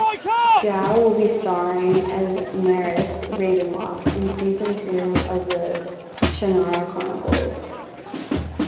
Jow will be starring as Mareth Ravenlock in Season two of The Shannara Chronicles.